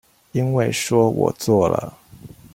因為說我做了